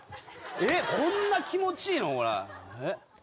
えっこんな気持ちいいの？